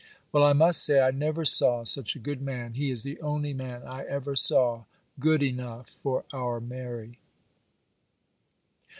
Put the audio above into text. Well, I must say, I never saw such a good man; he is the only man I ever saw good enough for our Mary.